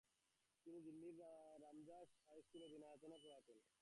তিনি দিল্লির রামজাস হাই স্কুলে বিনা বেতনে পড়াতেন।